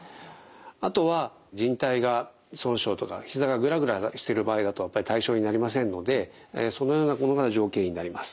あとはじん帯損傷とかひざがグラグラしている場合だとやっぱり対象になりませんのでそのようなものが条件になります。